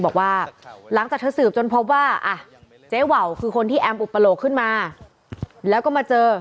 คุณชะฬิดาพระมาท